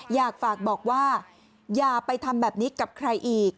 อยากฝากบอกว่าอย่าไปทำแบบนี้กับใครอีก